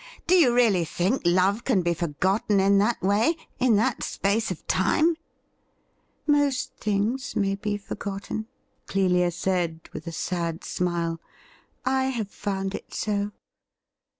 Do you really think love can be for gotten in that way — in that space of time ?'' Most things may be forgotten,' Clelia said, with a sad smile. 'I have found it so.